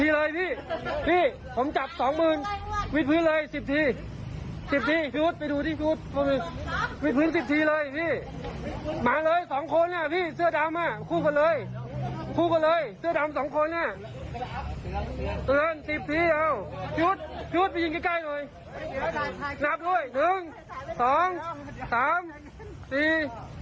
เริ่มเริ่ม๑๐ทีแล้วหยุดหยุดไปยินใกล้หน่วยหนึ่งสองสามสี่